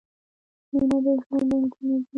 مینه د ژوند رنګونه دي.